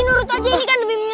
mau dibawa kemana